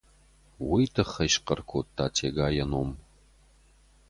Уый тыххӕй схъӕр кодта Тега йӕ ном.